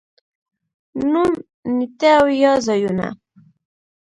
نوم، نېټې او یا ځايونه